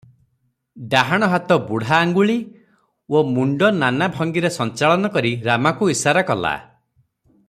ଡାହାଣ ହାତ ବୁଢା ଆଙ୍ଗୁଳି ଓ ମୁଣ୍ଡ ନାନା ଭଙ୍ଗିରେ ସଞ୍ଚାଳନ କରି ରାମାକୁ ଇଶାରା କଲା ।